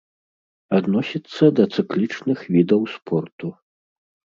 Адносіцца да цыклічных відаў спорту.